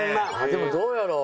でもどうやろう？